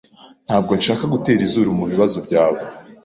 Ntabwo nshaka gutera izuru mubibazo byawe.